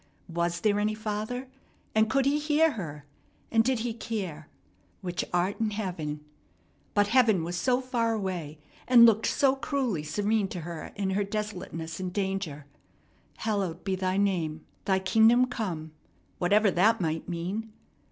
Was there any Father, and could He hear her? And did He care? "Which art in heaven " but heaven was so far away and looked so cruelly serene to her in her desolateness and danger! "hallowed be thy name. Thy kingdom come " whatever that might mean.